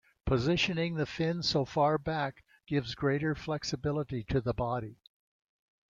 Positioning the fins so far back gives greater flexibility to the body.